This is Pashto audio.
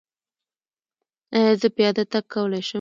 ایا زه پیاده تګ کولی شم؟